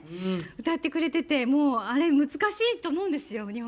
歌ってくれてて、あれ難しいと思うんですよ。